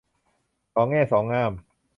สองแง่สองง่าม